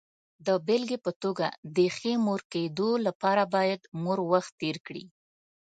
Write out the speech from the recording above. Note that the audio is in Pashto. د بېلګې په توګه، د ښې مور کېدو لپاره باید مور وخت تېر کړي.